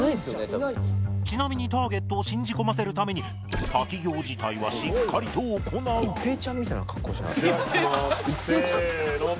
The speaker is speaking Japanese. ちなみにターゲットを信じ込ませるために滝行自体はしっかりと行ういきます。